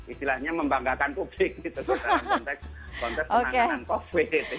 istilahnya membanggakan publik gitu dalam konteks penanganan covid